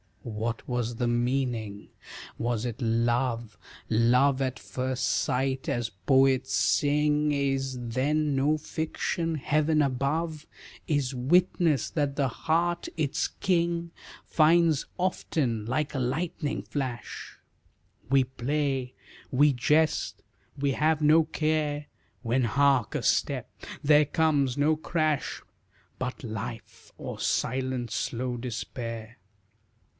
What was the meaning was it love? Love at first sight, as poets sing, Is then no fiction? Heaven above Is witness, that the heart its king Finds often like a lightning flash; We play, we jest, we have no care, When hark a step, there comes no crash, But life, or silent slow despair.